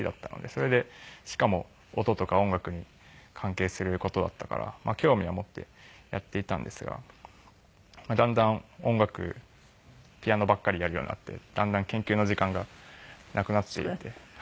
それでしかも音とか音楽に関係する事だったから興味は持ってやっていたんですがだんだん音楽ピアノばっかりやるようになってだんだん研究の時間がなくなっていって。